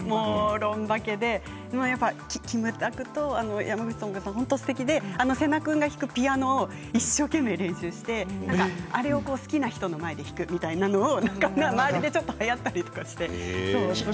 「ロンバケ」でキムタクと山口智子さんが本当にすてきで瀬名君が弾くピアノを一生懸命練習してあれを好きな人の前で弾くみたいなのが周りではやったりとかして。